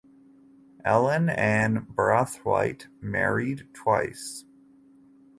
Ellen Ann Brathwaite married twice.